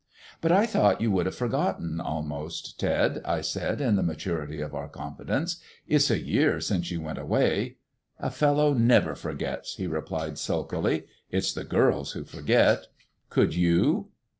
"But I thought you would have forgotten almost, Ted," I said, in the maturity of our confidence. "It's a year since you went away." "A fellow never forgets," he replied sulkily. "It's the girls who forget. Could you?"